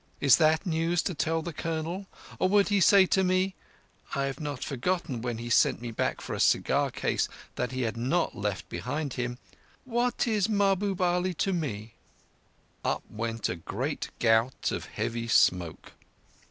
Is that news to tell to the Colonel, or would he say to me—(I have not forgotten when he sent me back for a cigar case that he had not left behind him)—'What is Mahbub Ali to me?'?" Up went a gout of heavy smoke.